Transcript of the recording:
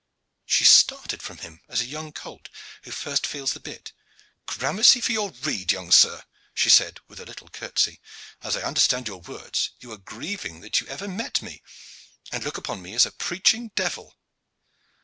She started from him as a young colt who first feels the bit. "Gramercy for your rede, young sir!" she said, with a little curtsey. "As I understand your words, you are grieved that you ever met me, and look upon me as a preaching devil.